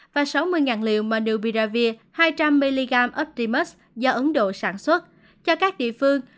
và sáu mươi liều monupiravir hai trăm linh mg optimus do ấn độ sản xuất cho các địa phương